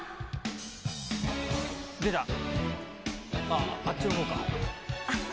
あぁあっちのほうか。